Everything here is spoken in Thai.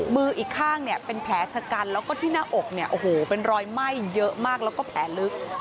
มืออีกข้างเนี่ยเป็นแผลชะกันแล้วก็ที่หน้าอกเนี่ยโอ้โหเป็นรอยไหม้เยอะมากแล้วก็แผลลึก